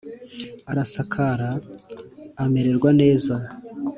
arasakara, amererwa neza.